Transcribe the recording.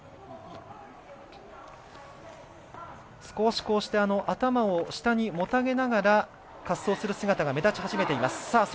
少し、頭を下にもたげながら滑走する姿が目立ち始めています。